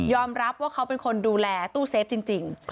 รับว่าเขาเป็นคนดูแลตู้เซฟจริง